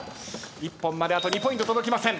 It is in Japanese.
一本まであと２ポイント届きません。